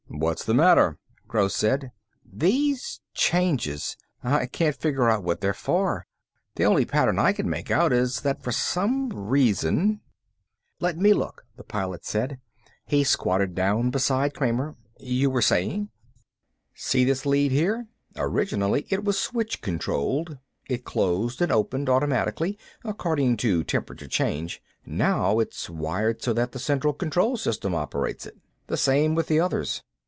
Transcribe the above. "What's the matter?" Gross said. "These changes. I can't figure out what they're for. The only pattern I can make out is that for some reason " "Let me look," the Pilot said. He squatted down beside Kramer. "You were saying?" "See this lead here? Originally it was switch controlled. It closed and opened automatically, according to temperature change. Now it's wired so that the central control system operates it. The same with the others.